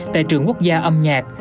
tại trường quốc gia âm nhạc